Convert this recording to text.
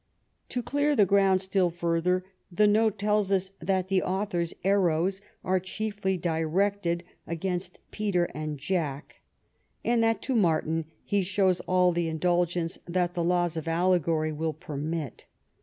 To clear the ground still further, the note tells us that " the author's arrows are chiefly directed against Peter and Jack "; and that '^to Martin he shows all the indulgence that the laws of allegory will permit."